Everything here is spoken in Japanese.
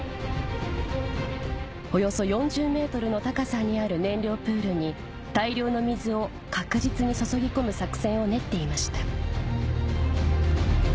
およそ４０ｍの高さにある燃料プールに大量の水を確実に注ぎ込む作戦を練っていました